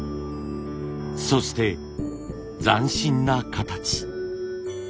そして斬新な形。